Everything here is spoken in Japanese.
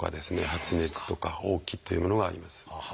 発熱とか嘔気というものがあります。